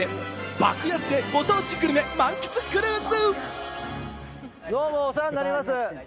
爆安でご当地グルメ満喫クルーズ！